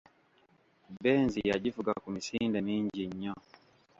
Benzi ya givuga ku misinde mingi nnyo.